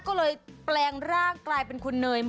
ก็เลยแปลงร่างกลายเป็นคุณเนย